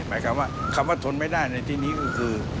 หมายความว่าทนไม่ได้ในที่นี่ก็คือ